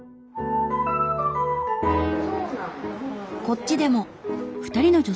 こっちでも。